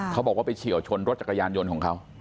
เขาบอกว่าไปเฉียวชนรถจักรยานยนต์ของเขา